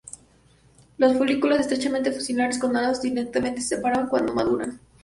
Los folículos, estrechamente fusiformes, connados distalmente, se separan cuando maduran.